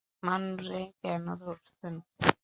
মান্নুরে কেনো ধরছেন?